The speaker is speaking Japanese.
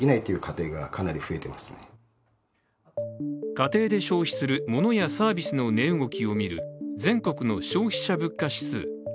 家庭で消費するモノやサービスの値動きを見る全国の消費者物価指数。